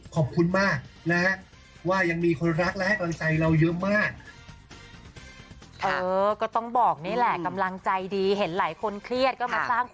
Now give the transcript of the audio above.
ขอบคุณมากนะคะว่ายังมีคนรักและใครเราเยอะมาก